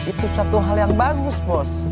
itu satu hal yang bagus bos